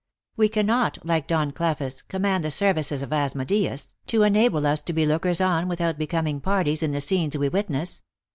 We cannot, like Don Cleofus, command the services of Asmodeus, to enable us to be lookers on without be coming parties in the scenes we witness.